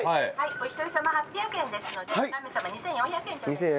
お一人様８００円ですので３名様２４００円頂戴します。